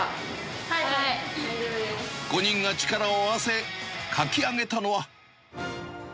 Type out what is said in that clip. はい、５人が力を合わせ、描き上げたのは。